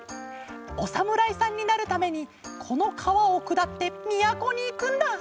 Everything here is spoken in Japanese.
おさむらいさんになるためにこのかわをくだってみやこにいくんだ。